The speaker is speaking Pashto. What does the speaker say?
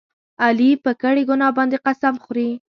علي په کړې ګناه باندې قسم خوري.